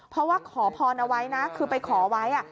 เพราะว่าขอพรเอาไว้นะคือไปขอไว้